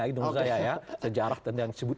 gitu sejarah yang disebut